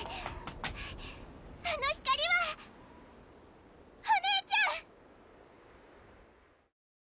あの光はお姉ちゃん！